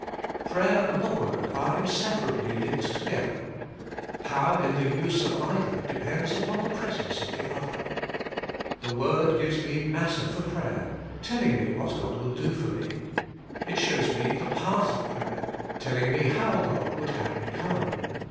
Prayer and the Word are inseparably linked to gether: power in the use of either depends upon the presence of the other. The Word gives me matter for prayer, telling me what God will do for me. It shows me the path of prayer, telling me how God would have me come.